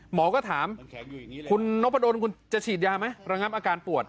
หมอก็ถามคุณนพจะฉีดยามั้ยระงับอาการผวด